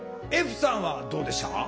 歩さんはどうでしたか？